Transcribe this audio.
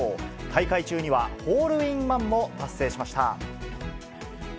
大会中には、ホールインワンも達成しました。